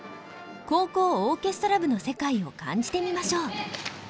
高校オーケストラ部の世界を感じてみましょう。